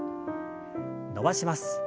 伸ばします。